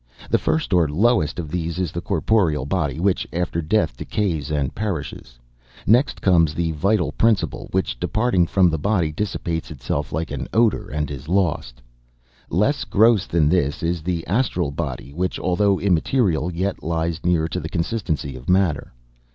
The first, or lowest, of these is the corporeal body, which, after death, decays and perishes. Next comes the vital principle, which, departing from the body, dissipates itself like an odor, and is lost. Less gross than this is the astral body, which, although immaterial, yet lies near to the consistency of matter.